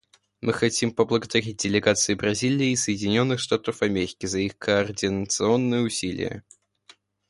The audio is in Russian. Мы хотим поблагодарить делегации Бразилии и Соединенных Штатов Америки за их координационные усилия.